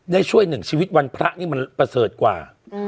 ได้ช่วยหนึ่งชีวิตวันพระนี่มันประเสริฐกว่า